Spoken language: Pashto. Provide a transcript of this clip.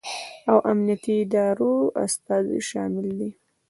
او امنیتي ادارو استازي شامل دي